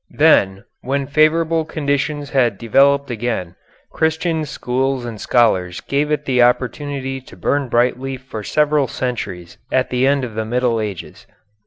Then, when favorable conditions had developed again, Christian schools and scholars gave it the opportunity to burn brightly for several centuries at the end of the Middle Ages.